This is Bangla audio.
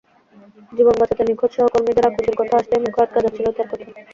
জীবন বাঁচাতে নিখোঁজ সহকর্মীদের আকুতির কথা আসতেই মুখে আটকে যাচ্ছিল তাঁর কথা।